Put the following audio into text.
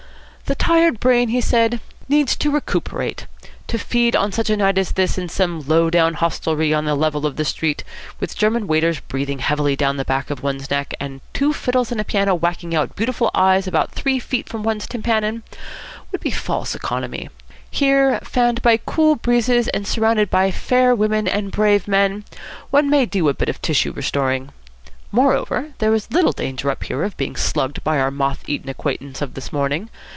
"The tired brain," he said, "needs to recuperate. To feed on such a night as this in some low down hostelry on the level of the street, with German waiters breathing heavily down the back of one's neck and two fiddles and a piano whacking out 'Beautiful Eyes' about three feet from one's tympanum, would be false economy. Here, fanned by cool breezes and surrounded by fair women and brave men, one may do a bit of tissue restoring. Moreover, there is little danger up here of being slugged by our moth eaten acquaintance of this morning.